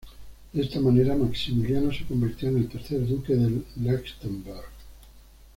De esta manera Maximiliano se convirtió en el tercer duque de Leuchtenberg.